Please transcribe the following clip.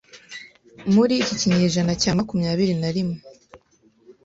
muri iki kinyejana cya makumyabiri na rimwe